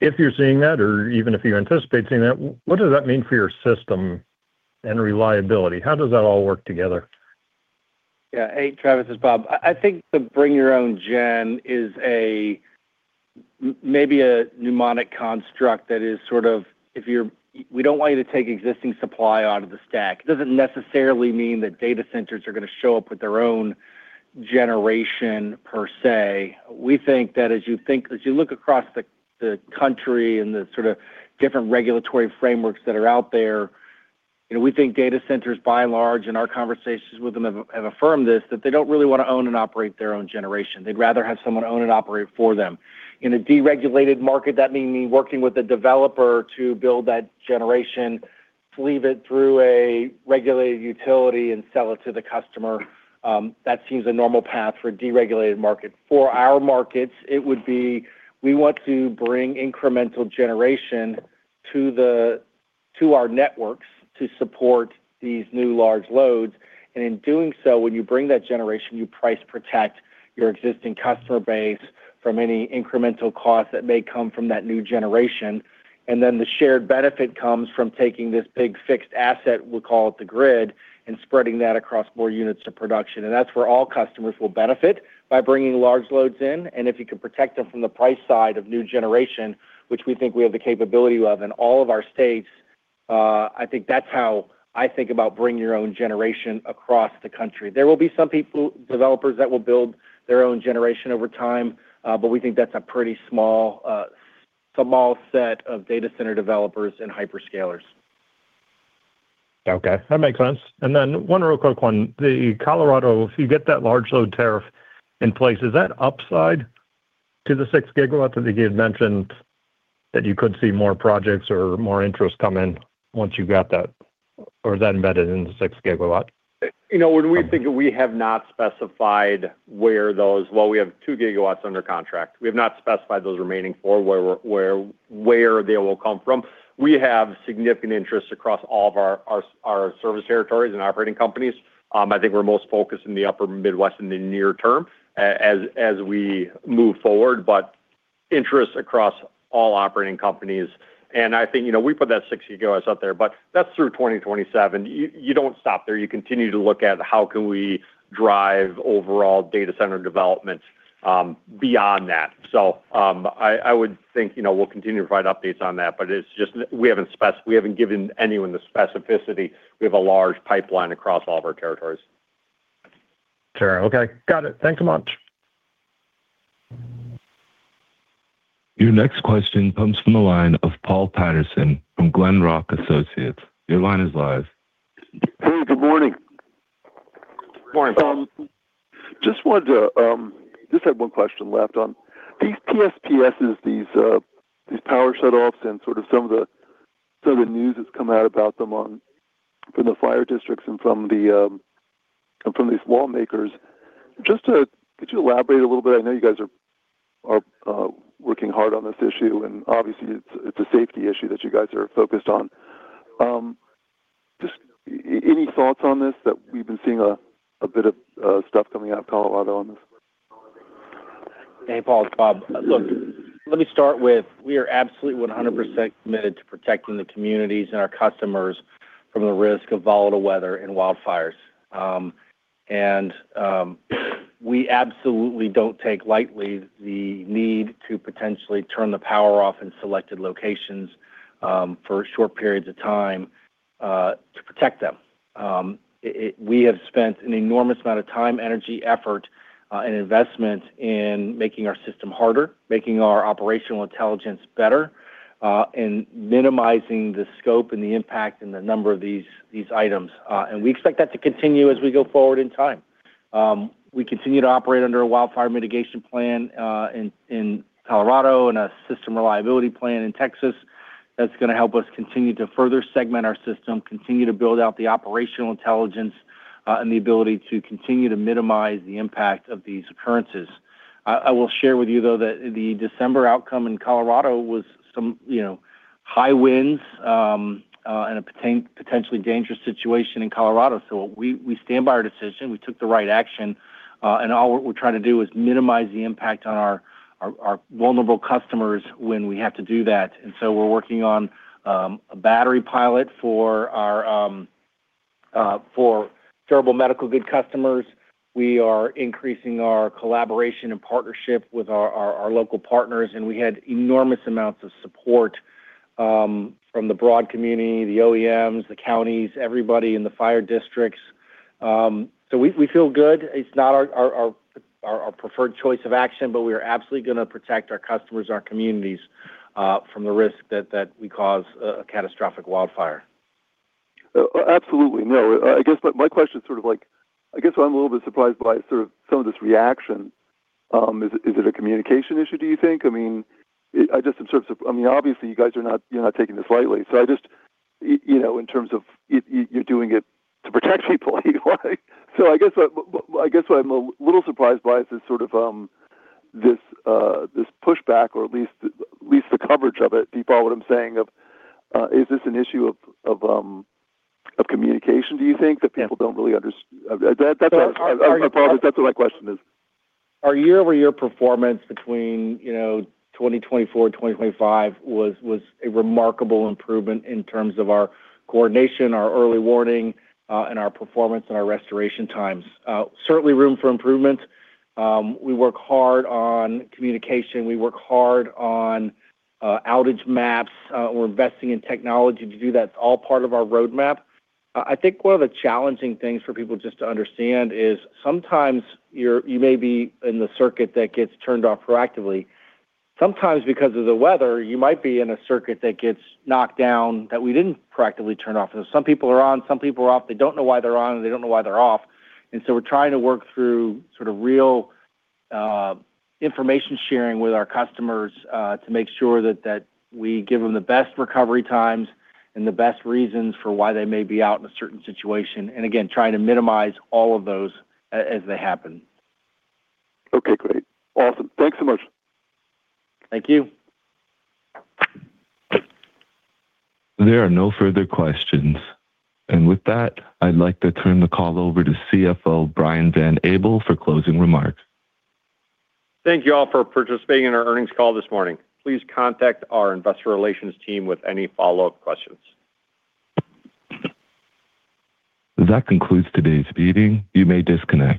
if you're seeing that, or even if you anticipate seeing that, what does that mean for your system and reliability? How does that all work together? Yeah. Hey, Travis, it's Bob. I think the bring your own gen is maybe a mnemonic construct that is sort of if you're we don't want you to take existing supply out of the stack. It doesn't necessarily mean that data centers are going to show up with their own generation per se. We think that as you look across the country and the sort of different regulatory frameworks that are out there, we think data centers, by and large, and our conversations with them have affirmed this, that they don't really want to own and operate their own generation. They'd rather have someone own and operate for them. In a deregulated market, that meaning working with a developer to build that generation, sleeve it through a regulated utility, and sell it to the customer, that seems a normal path for a deregulated market. For our markets, it would be we want to bring incremental generation to our networks to support these new large loads. And in doing so, when you bring that generation, you price protect your existing customer base from any incremental costs that may come from that new generation. And then the shared benefit comes from taking this big fixed asset, we'll call it the grid, and spreading that across more units of production. And that's where all customers will benefit by bringing large loads in. And if you can protect them from the price side of new generation, which we think we have the capability of in all of our states, I think that's how I think about bringing your own generation across the country. There will be some developers that will build their own generation over time, but we think that's a pretty small set of data center developers and hyperscalers. Okay. That makes sense. And then one real quick one. The Colorado, if you get that large load tariff in place, is that upside to the 6 GW that you had mentioned that you could see more projects or more interest come in once you got that or that embedded in the 6 GW? When we think that we have not specified where those, well, we have 2 GW under contract. We have not specified those remaining 4 where they will come from. We have significant interest across all of our service territories and operating companies. I think we're most focused in the Upper Midwest in the near term as we move forward, but interest across all operating companies. And I think we put that 6 GW up there, but that's through 2027. You don't stop there. You continue to look at how can we drive overall data center development beyond that. So I would think we'll continue to provide updates on that, but we haven't given anyone the specificity. We have a large pipeline across all of our territories. Sure. Okay. Got it. Thanks a lot. Your next question comes from the line of Paul Patterson from Glenrock Associates. Your line is live. Hey. Good morning. Morning, Bob. Just wanted to—just had one question left on these PSPSs, these power shutoffs, and sort of some of the news that's come out about them from the fire districts and from these lawmakers. Could you elaborate a little bit? I know you guys are working hard on this issue, and obviously, it's a safety issue that you guys are focused on. Any thoughts on this that we've been seeing a bit of stuff coming out of Colorado on this? Hey, Paul. It's Bob. Look, let me start with we are absolutely 100% committed to protecting the communities and our customers from the risk of volatile weather and wildfires. We absolutely don't take lightly the need to potentially turn the power off in selected locations for short periods of time to protect them. We have spent an enormous amount of time, energy, effort, and investment in making our system harder, making our operational intelligence better, and minimizing the scope and the impact and the number of these items. We expect that to continue as we go forward in time. We continue to operate under a wildfire mitigation plan in Colorado and a system reliability plan in Texas that's going to help us continue to further segment our system, continue to build out the operational intelligence, and the ability to continue to minimize the impact of these occurrences. I will share with you, though, that the December outcome in Colorado was some high winds and a potentially dangerous situation in Colorado. So we stand by our decision. We took the right action. And all we're trying to do is minimize the impact on our vulnerable customers when we have to do that. And so we're working on a battery pilot for our durable medical good customers. We are increasing our collaboration and partnership with our local partners. And we had enormous amounts of support from the broad community, the OEMs, the counties, everybody in the fire districts. So we feel good. It's not our preferred choice of action, but we are absolutely going to protect our customers, our communities, from the risk that we cause a catastrophic wildfire. Absolutely. No. I guess my question is sort of like I guess what I'm a little bit surprised by is sort of some of this reaction. Is it a communication issue, do you think? I mean, I just in terms of I mean, obviously, you guys are not taking this lightly. So I just in terms of you're doing it to protect people. So I guess what I'm a little surprised by is this sort of this pushback or at least the coverage of it, do you follow what I'm saying of is this an issue of communication, do you think, that people don't really understand? I apologize. That's what my question is. Our year-over-year performance between 2024 and 2025 was a remarkable improvement in terms of our coordination, our early warning, and our performance and our restoration times. Certainly, room for improvement. We work hard on communication. We work hard on outage maps. We're investing in technology to do that. It's all part of our roadmap. I think one of the challenging things for people just to understand is sometimes you may be in the circuit that gets turned off proactively. Sometimes because of the weather, you might be in a circuit that gets knocked down that we didn't proactively turn off. So some people are on. Some people are off. They don't know why they're on, and they don't know why they're off. So we're trying to work through sort of real information sharing with our customers to make sure that we give them the best recovery times and the best reasons for why they may be out in a certain situation. Again, trying to minimize all of those as they happen. Okay. Great. Awesome. Thanks so much. Thank you. There are no further questions. With that, I'd like to turn the call over to CFO Brian Van Abel for closing remarks. Thank you all for participating in our earnings call this morning. Please contact our investor relations team with any follow-up questions. That concludes today's meeting. You may disconnect.